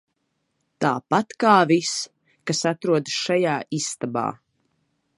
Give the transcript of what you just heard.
Tāpat kā viss, kas atrodas šajā istabā.